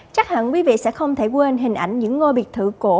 chắc hẳn quý vị sẽ không thể quên hình ảnh những ngôi biệt thự cổ